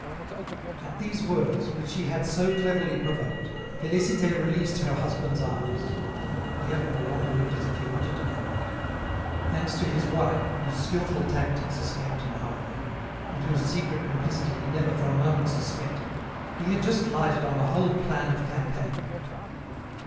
At these words, which she had so cleverly provoked, Félicité released her husband's arms. Pierre no longer looked as if he wanted to go out. Thanks to his wife, whose skilful tactics escaped him, however, and whose secret complicity he never for a moment suspected, he had just lighted on a whole plan of campaign.